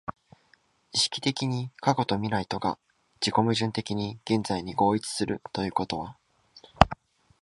意識的に過去と未来とが自己矛盾的に現在に合一するということは、